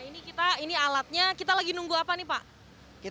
ini alatnya kita lagi nunggu apa nih pak